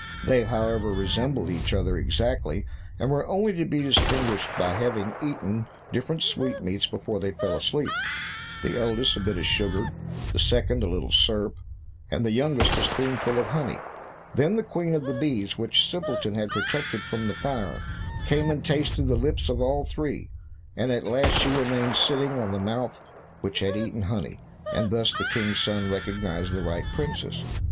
They, however, resembled each other exactly, and were only to be distinguished by their having eaten different sweetmeats before they fell asleep; the eldest a bit of sugar; the second a little syrup; and the youngest a spoonful of honey. Then the Queen of the bees, which Simpleton had protected from the fire, came and tasted the lips of all three, and at last she remained sitting on the mouth which had eaten honey, and thus the King's son recognized the right princess.